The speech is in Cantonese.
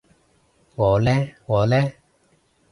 我呢我呢？